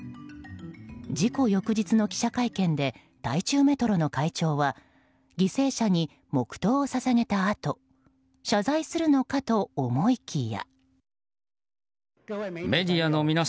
事故翌日の記者会見で台中メトロの会長は犠牲者に黙祷を捧げたあと謝罪するのかと思いきや。